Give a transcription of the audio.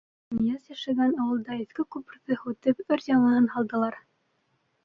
Нияз йәшәгән ауылда иҫке күперҙе һүтеп, өр-яңыһын һалдылар.